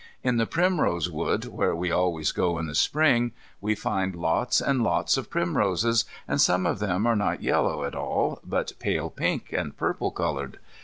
In the primrose wood where we always go in the Spring, we find lots and lots of primroses, and some of them are not yellow at all, but pale pink and purple coloured.